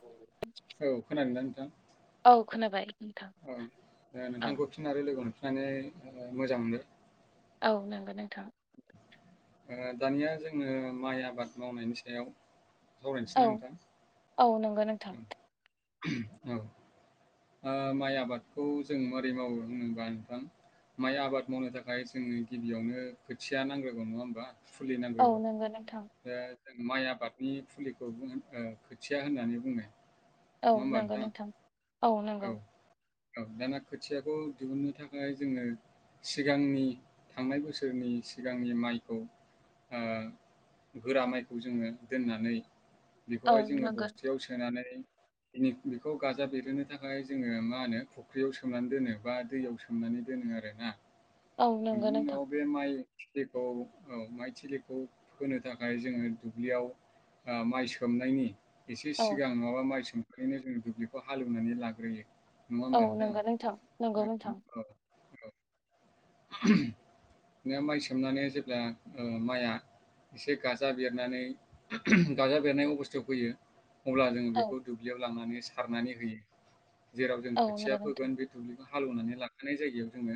औ। औ खोनादों ना नोंथां। खोनाबाय। नोंथां औ दा औ नोंथांखौ फिन लोगो मोनफिननानै मोजां मोनोबाय। औ नंगौ नोंथां। ओ दानिया जोङो माइ आबाद मावनायनि सायाव सावरायनोसै औ ना नोंथां औ नंगौ नोंथां औ औ माइ आबादखौ जों माबोरै मावो होनबा नोंथां। माइ आबाद मावनो थाखाय जोंनो गिबियावनो खोथिया नांग्रोगौ नङा होमबा? फुलि औ नांग्रोगौ नंगौ नोंथां दा। जों माइ आबादनि फुलिखौ खोथिया होननानै बुङो। औ नंगौ नोंथां औ नंगौ। औ दाना खोथियाखौ दिहुननो थाखाय जोङो। सिगांनि थांनाय बोसोरनि सिगांनि माइखौ। ओ गोरा माइखौ जोङो दोननानै औ बेखौहाय जोङो नंगौ बसता सोनानै बिदिनो बेखौ गाजा बेरहोनो थाखाय जोङो मा होनो फुख्रियाव सोमनानै दोनो बा दैयाव सोमनानै दोनो। आरो ना? औ नंगौ नोंथां। थिलिखौ औ माइ थिलिखौ फोनो थाखाय जोङो दुब्लियाव माइ सोमनायनि एसे औ सिगां माबा माइ सोमखैनो जोंङो दुब्लि खौ हालेवनानै लाग्रोयो। नङा औ होनबा नोंथां? नंगौ नंगौ नोंथां बि माइ सोमनानै जेब्ला ओ माइआ एसे गाजा बेरनानै गाजा बेरनाय अबस्थायाव फैयो अब्ला जोङो औ बेखौ दुब्लियाव लानानै सारनानै होयो। जेराव जों औ खोथिया नंगौ नोंथां फोगोन बे दुब्लि हालौवनानै लाखानाय जायगायाव जोङो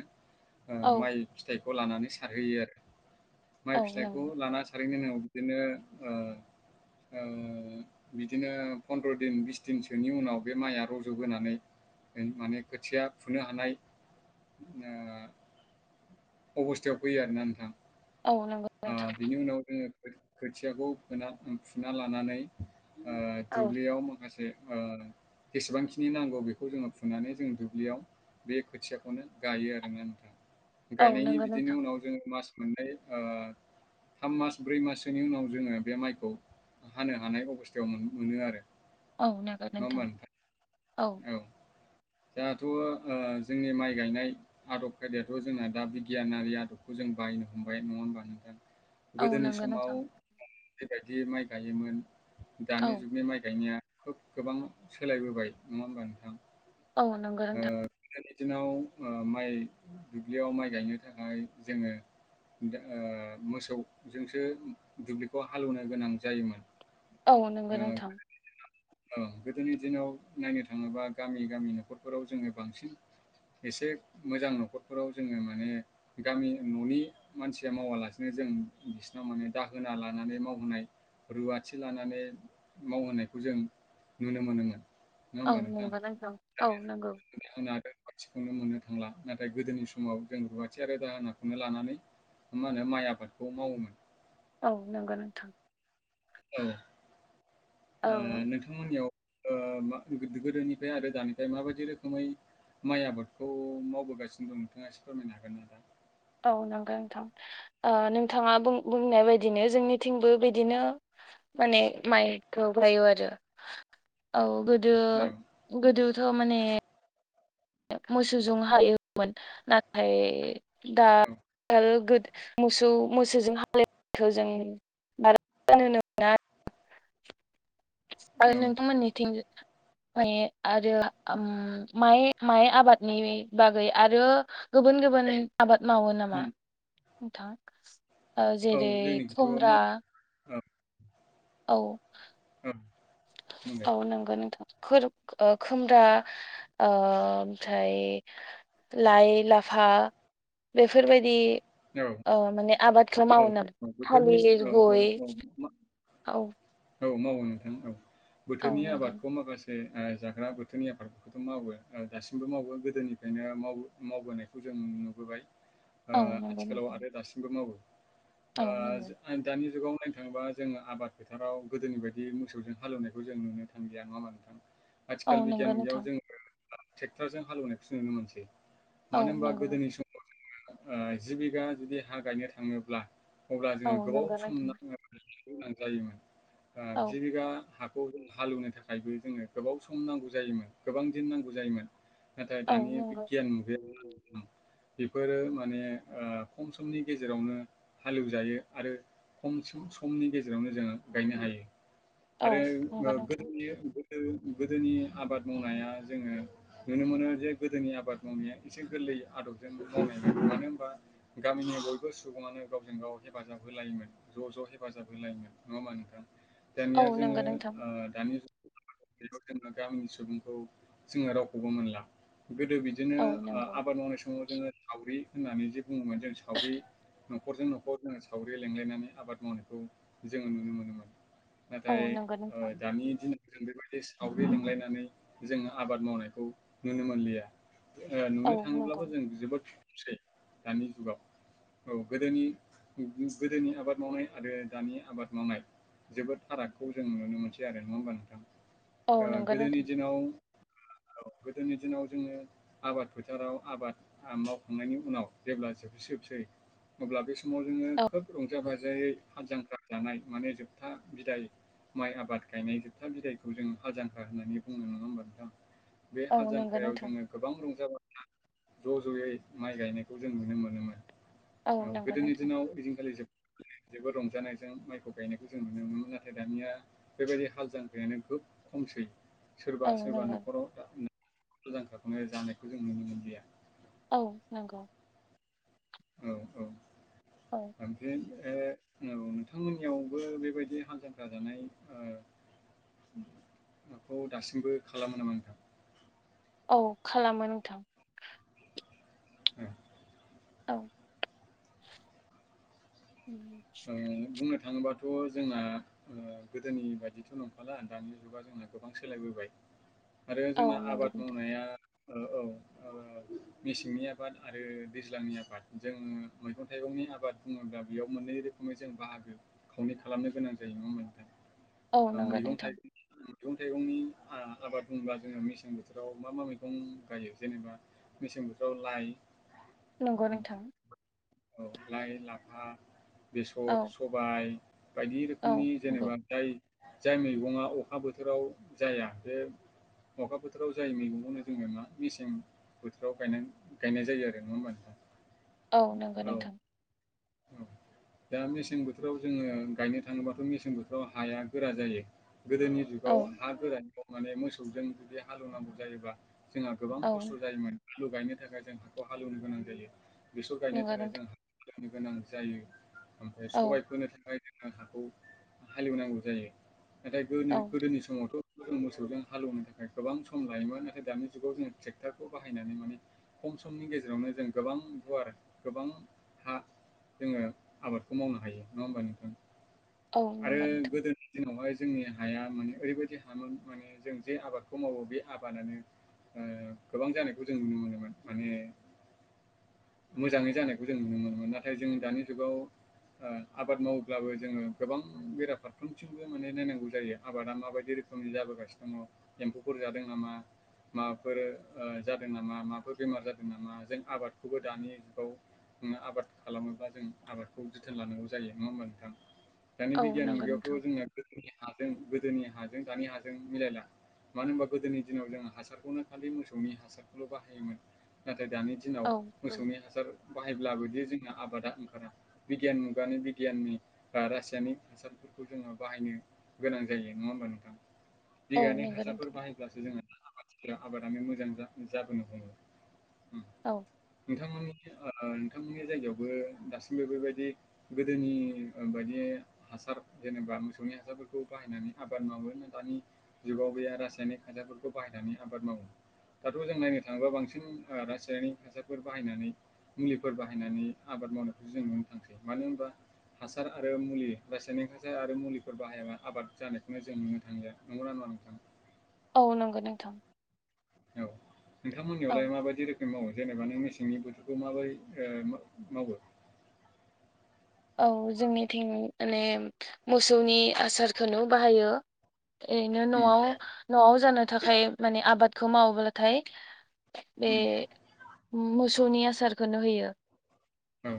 औ माइ फिथाइखौ लानानै सारहोयो आरो। माइ औ फिथायखौ नंगौ लाना सारैनायनि उनाव बिदिनो ओ बिदिनो फन्द्र' दिन बिस दिनसोनि उनाव बे माइआ रज'बहोनानै माने खोथिया फुनो हानाय अबस्थायाव फैयो आरोना नोंथां। औ नोंगौ ओ नोंथां। बिनि उनाव जोङो खोथियाखौ फोना फुना लानानै औ दुब्लियाव माखासे ओ जेसेबांखिनि नांगौ बेखौ जोङो फुनानै जों दुब्लियाव बे खोथियाखौनो गायो आरो ना नोंथां। औ गायनायनि नंगौ नोंथां बिदिनि उनाव जोङो मास मोननै ओ थाम मास ब्रै माससोनि उनाव जोङो बे माइखौ हानो हानाय अबस्थायाव मोनो आरो। औ नोंगौ नङा नोंथां होमबा औ जोंहाथ' जोंनि माइ गायनाय आदब खायदायाथ' जोंना दा बिगियानारि आदबखौ जों बायनो हमबाय नङा होनबा नोंथां? औ गोदोनि नंगौ समाव नोंथां बेबायदि माइ गायोमोन। औ दानि जुगनि माइ गायनाया खोब गोबां सोलायबोबाय नङा होमबा नोंथां? औ नंगौ ओ नोंथां। गोदोनि दिनाव माइ दुब्लियाव माइ गायनो थाखाय जोङो। ओ मोसौजोंसो दुब्लिखौ हालौवनो गोनां जायोमोन। औ नोंगौ ओ नोंथां। औ गोदोनि दिनाव नायनो थाङोबा गामि गामि न'खरफोराव जोङो बांसिन एसे मोजां न'खरफोराव जोङो माने गामि न'नि मानसिया मावालासिनो जों बिसिनाव माने दाहोना लानानै मावहोनाय रुवाथि लानानै मावहोनायखौ जों नुनो मोनोमोन। नङा औ होनबा नोंथां? नंगौ औ नंगौ खौनो मोननो थांला नाथाय गोदोनि समाव जों रुवाथि आरो दाहोनाखौनो लानानै मा होनो माइ आबादखौ मावोमोन। औ नंगौ नोंथां। औ औ ओ नोंथांमोननियाव ओ मा गोदोनिफ्राय आरो दानिफ्राय माबायदि रोखोमै माइ आबादखौ मावबोगासिनो दं नोंथाङा एसे फोरमायनो हागोन [unintelligible] औ नंगौ नोंथां। ओ नोंथाङा बुं -बुंनाय बायदिनो जोंनिथिंबो बिदिनो माने माइखौ गायो आरो औ। औ गोदो- गोदोथ' माने मोसौजों हायोमोन नाथाय दा औ ओ [unintelligible] मोसौ -मोसौजों हालेवनायखौ जों बारा [unintelligible] आरो औ नोंथां मोननिथिं? [unintelligible] गोबानो आबाद मावो नामा उम नोंथां? ओ औ जेरै जोंनिखैथ' खुमब्रा। माव औ औ औ बुंलाय औ नंगौ नोंथां। [unintelligible] ओ खोमब्रा ओ ओमफ्राय लाइ- लाफा बेफोरबायदि औ ओ माने औ औ बोथोरनि औ औ औ औ औ मावो नोंथां औ औ बोथोरनि नंगौ आबादखौ माखासे ओ आ जाग्रा बोथोरनि आबादफोरखौथ' मावो नोंथां। दासिमबो मावो गोदोनिफ्रायनो माव- मावबोनायखौ जों जों नुबोबाय औ ओ नंगौ आथिखालाव नोंथां आरो दासिमबो मावो। औ ओ नंगौ [unintelligible] दानि जुगाव नोंथांबा जोङो आबाद फोथाराव गोदोनि बायदि मोसौजों हालवनायखौ जों नुनो थांनलिया नङा होमबा नोंथां? औ आथिखाल नंगौ बिगियान मुगायाव नोंथां जोङो ट्रेक्ट'रजों हालेवनायखौ नुनो मोनसै। औ मानो होनबा नंगौ गोदोनि समाव जोंङो जि बिगा जुदि हा गायनो थाङोब्ला अब्ला जोङो औ गोबाव नंगौ सम नोंथां नाङो गोनां जायोमोन। ओ जि औ बिघा हा [unintelligible] जों हालेवनो थाखायबो जोंङो गोबाव सम नांगौ जायोमोन गोबां दिन नांगौ जायोमोन। नाथाय औ दानि नंगौ बिगियान मुगायाव नोंथां, बेफोरो माने ओ खम समनि गेजेरावनो हालेवजायो आरो खम सम -समनि गेजेरावनो जोङो गायनो हायो आरो औ ओ नंगौ नोंथां गोदोनि ओ गोदोनि आबाद मावनाया जोङो नुनो मोनो जे। गोदोनि आबाद मावनाया एसे गोरलै। बै आदबजों मावनाय जायोमोन। गामिनि बयबो सुबुङानो गावजों -गाव हेफाजाब होलायोमोन ज' ज' हेफाजाब होलायोमोन नङा होमबा नोंथां? दानिया औ जोङो नंगौ नोंथां ओ दानि [unintelligible] बेयाव जोङो गामिनि सुबुंखौ जोङो रावखौबो मोनला। गोदो बिदिनो औ नंगौ आबाद मावनाय समाव जोङो सावरि होननानै जे बुङोमोन जों सावरि न'खरजों न'खर जों सावरि लेंलायनानै आबाद मावनायखौ जों नुनों मोनोमोन। औ नाथाय नंगौ ओ नोंथां दानि दिना जों बेबायदि सावरि लिंलायनानै जोङो आबाद मावनायखौ नुनो मोनलिया। ओ औ नुनो थाङोब्लाबो नंगौ जों जोबोद [unintelligible] दानि जुगाव औ गोदोनि उम गोदोनि आबाद मावनाय आरो दानि आबाद मावनाय जोबोद फारागखौ जों नुनो मोनसै आरो नङा होमबा नोंथां? ओ औ नंगौ गोदोनि नोंथां दिनाव गोदोनि दिनाव जोङो आबाद फोथाराव आबाद [unintelligible] मावखांनायनि उनाव जेब्ला जोबसै -जोबसै अब्ला बे समाव जोङो औ खोब रंजा -बाजा जेरै हाल -जांख्रा जानाय माने जोबथा बिदाय माइ आबाद गायनाय जोबथा बिदाइखौ जों हाल - जांख्रा होननानै बुंओ नङा होमबा नोंथां? बे हाल औ नंगौ जांख्रायाव नोंथां जोङो गोबां रंजा -बाजा ज' ज'यै माइ गायनायखौ जों नुनो मोनोमोन औ नंगौ गोदोनि नोंथां दिनाव ओइदिनखालि [unintelligible] [unintelligible] जेबो रंजानायजों माइखौ गायनायखौ जों नुनो मोनो। नाथाय दानिया बेबायदि हाल -जांख्रा खोब खम। सै सोरबा- औ सोरबा नंगौ न'खराव मोजां जानायखौ जों नुनो मोनलिया। औ नंगौ। औ [inaudible] [inaudible] जोंनियावबो बेबायदि हाल जांफ्रा जानाय ओ बेखौ दासिमबो खालामो नामा नोंथां? औ खालामो नोंथां। उ औ ओ बुंनो थाङोब्ला थ' जोंना ओ गोदोनि बायिथ' नंखाला दानि जुगा जोंना गोबां सोलायबोबाय आरो औ जोंना नंगौ आबाद नोंथां मावनाया औ औ मेसेंनि आबाद आरो दैज्लांनि आबाद जोङो मैगं थाइगं नि आबाद बुङोब्ला बेयाव मोननै रोख जों बाहागो खावनै खालामनो गोनां जायो नङा होमबा औ नोंथां नंगौ मैगं नोंथां थाइगं मैगं थाइगंनि आं आबाद बोब्ला जोङो मेसें बोथोराव मा मा मैगं गायो जेनेबा मेसें बोथोराव लाइ नंगौ ओम, नोंथां। औ लाइ लाफा बेसर औ सबाय बायदि औ रोखोमनि नंगौ जेनेबा जाय जाय मैगङा अखा बोथोराव जाया बे अखा बोथोराव जायो मैगंङा जोङो ना मेसें बोथोराव गायनाय गायनाय जायो आरो नङा होमबा नोंथां? औ नंगौ नोंथां। औ औ। दा मेसें बोथोराव जोङो गायनो थाङोबाथ' मेसें बोथोराव हाया गोरा जायो। गोदोनि औ जुगाव हा गोरानाव माने मोसौजों जुदि हालौवनांगौ जायोबा जोंहा गोबां औ खस्थ' जायोमोन आलु गायनो थाखाय जों हाखौ हालौवनो गोनां जायो बेसर गायनो नंगौ थाखाय जों नोंथां हलोवनो गोनां जायो ओमफ्राय सबाय औ फोनो थाखाय जों हाखौ हालेवनांगौ जायो नाथाय गोनि औ गोदोनि समावथ' जों मोसौजों हालेवनो थाखाय गोबां सम लायोमोन नाथाय दानि जुगाव जों ट्रेक्टरखौ बाहायनानै माने खम समनि गेजेरावनो जों गोबां गुवार गोबां हा जोङो आबादखौ मावनो हायो नङा होमबा नोंथां? औ आरो नंगौ नोंथां गोदोनि दिनावहाय जोंनि हाया माने ओरैबायाददि हामोन माने जों जे आबादखौ मावो बे आबादानो [unintelligible] गोबां जानायखौ जों नुनो मोनोमोन माने [inaudible] मोजाङै जानायखौ जों नुनो मोनोमोन नाथाय जों दानि जुगाव आं आबाद मावोब्लाबो जोङो गोबां बेरा फारफ्रोमथिमबो माने नायनांगौ जायो आबादा माबायदि रो खोम जाबोगासिनो दङ एम्फौफोर जादों नामा? माबाफोर जादों नामा माबाफोर बेमार जादों नामा जों आबादखौबो दानि जुगाव आबाद खालामोब्ला जों आबादखौ जोथोन लानांगौ जायो नङा होमबा नोंथां? दानि औ बिगियान नंगौ नोंथां मुगायावथ' जोंना गोदोनि हाजों गोदोनि हाजों दानि हाजों मिलायला मानो होनबा गोदोनि दिनाव जों हासारखौनो खालि मोसौनि हासारखौल' बाहायोमोन नाथाय दानि दिनाव औ औ मोसौनि हासार बाहायब्ला [unintelligible] दि जोंना आबादा ओंखारा बिगियान मुगानि बिगियाननि बा रासायनिक हासारफोरखौ जोंहा बाहायनो गोनां जायो नङा होमबा नोंथां औ बिगायानिक नंगौ नोंथां हासारफोर बाहायब्लासो जोङो [unintelligible] [unintelligible] औ नोंथांनि नोंथांमोननि जायगायावबो दासिमबो बेबायदि गोदोनि बायदि बे हासार जेनेबा मोसौनि हासारफोरखौ बाहायनानै आबाद मावो दानि जुगाव बे रासायनिक [unintelligible] हासारफोरखौ बाहायनानै आबाद मावो दाथ' जों नायनो थाङोबा ओ बांसिन रासायारि खासार फोर बाहायनानै मुलिफोर बाहायनानै आबाद मावनायखौ जों नुनो थांसै मानो होनबा हासार आरो मुलि रासायनिक हासार आरो मुलिफोर बाहायबा आबाद जानायखौनो जों नुनो थांलिया नंगौना नङा नोंथां। औ नंगौ नोंथां। औ औ नोंथांमोननियावलाय माबायदि रोखोम मावो? जेनेबा नों मेसेंनि बोथोरखौ माबोरै ओ मा-मावो? औ जोंनिथिं माने मोसौनि आसारखौनो बाहायो। ओरैनो उम न'आव न'आव जानो थाखाय माने आबादखौ मावोब्लाथाय। बे उम मोसौनि आसारखौनो होयो। औ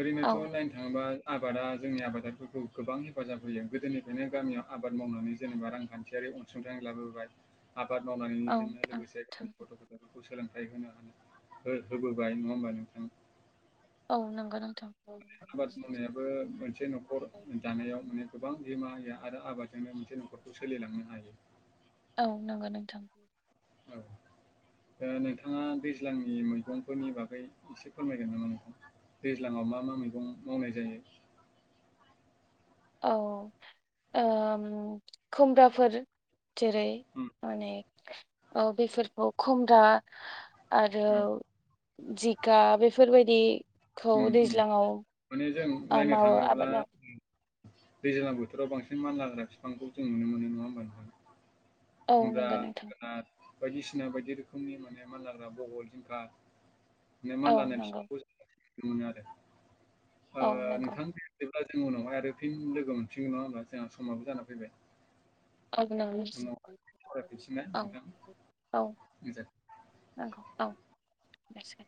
ओरैनोथ' औ नायनो थाङोबा। आबादा जोंनि आबादारिफोरखौ गोबां हेफाजाब होयो। गोदोनिफ्रायनो गामियाव आबाद मावनानै जेनेबा रांखान्थिया। बे अनसुंथाइ लाबोबाय आबाद औ मावनानैजोंनो लोगोसे नोंथां गावनि गथ' गथायफोरखौ खौ सोलोंथाइ होनो हानो थाखाय ओ होबोबाय नङा होमबा नोंथां? औ नंगौ नोंथां। औ आबाद मावनायाबो मोनसे न'खर जानायाव माने गोबां बिहोमा होयो। आरो आबादजोंनो मोनसे न'खरखौ सोलिलांनो हायो। औ नोंगो नोंथां। औ ओ नोंथाङा दैज्लांनि मैगंफोरनि बागै एसे फोरमायगोन नामा नोंथां? दैज्लाङाव मा मा मैगं मावनाय जायो? [inaudible] औ। ओ खुमब्राफोर जेरै उम माने ओ बेफोरखौ खमब्रा आरो औ जिखा बेफोरबायदि खौ उम उम दैज्लाङाव माने जों ओ नायनो मावो थाङोब्ला आबाद मावो। दैज्लां बोथोराव बांसिन मानलाग्रा बिफांखौ जों नुनो मोनो नङा होमब नोंथां? औ खुमब्रा, नंगौ नोंथां जोगोनारथ बायदिसिना बायदि रोखोमनि माने मानलाग्रा बहल, जिंखा औ मानलानाय नंगौ फिखौ ज नुनो मोनो आरो ओ औ नंगौ नोंथां ओ जों उनावहाय आरो फिन लोगो मोनफिनगोन नङा होनब्ला जोंहा समाबो जाना फैबाय। औ नंगौ औ उनाव औ नंगौ [unintelligible] औ बेसेगोन